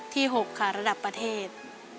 ๖ค่ะระดับประเทศ